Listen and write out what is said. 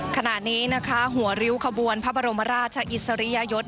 ขณะนี้นะคะหัวริ้วขบวนพระบรมราชอิสริยยศ